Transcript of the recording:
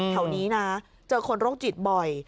แถวนี้นะเจอคนโรคจิตบ่อย